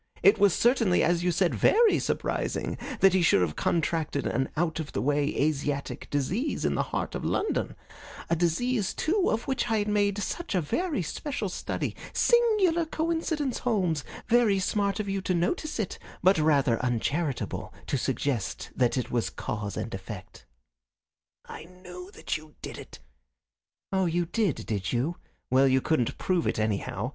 It was certainly, as you said, very surprising that he should have contracted an out of the way Asiatic disease in the heart of London a disease, too, of which I had made such a very special study. Singular coincidence, Holmes. Very smart of you to notice it, but rather uncharitable to suggest that it was cause and effect." "I knew that you did it." "Oh, you did, did you? Well, you couldn't prove it, anyhow.